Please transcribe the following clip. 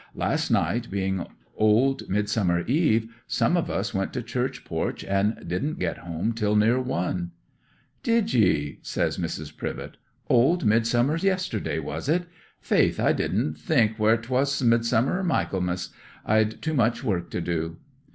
Last night, being Old Midsummer Eve, some of us went to church porch, and didn't get home till near one." '"Did ye?" says Mrs. Privett. "Old Midsummer yesterday was it? Faith I didn't think whe'r 'twas Midsummer or Michaelmas; I'd too much work to do."